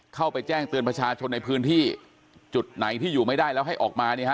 เข้าไปแจ้งเตือนประชาชนในพื้นที่จุดไหนที่อยู่ไม่ได้แล้วให้ออกมาเนี่ยฮะ